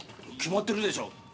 決まってるでしょ。